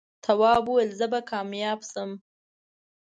تواب وويل: زه به کامیابه شم.